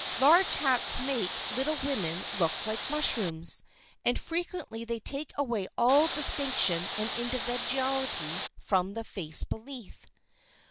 Large hats make little women look like mushrooms, and frequently they take away all distinction and individuality from the face beneath.